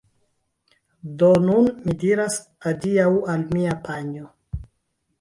Do nun mi diras adiaŭ al mia panjo